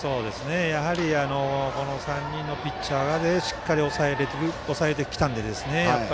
やはりこの３人のピッチャーでしっかり抑えてきたんでね。